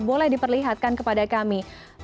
boleh diperlihatkan kepada kami